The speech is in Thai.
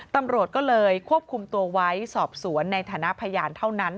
ตำรวจก็เลยควบคุมตัวไว้สอบสวนในฐานะพยานเท่านั้น